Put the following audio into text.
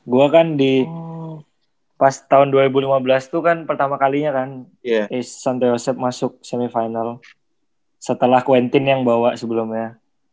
gue kan di pas tahun dua ribu lima belas itu kan pertama kalinya kan is santo yosep masuk semifinal setelah queentin yang bawa sebelumnya